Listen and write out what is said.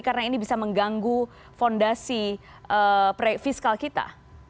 karena ini bisa mengganggu fondasi fiskal kita